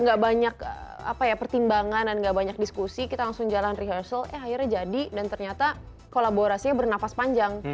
gak banyak pertimbangan dan gak banyak diskusi kita langsung jalan rehearsal eh akhirnya jadi dan ternyata kolaborasinya bernafas panjang